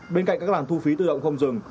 bên cạnh các làn thu phí tự động không dừng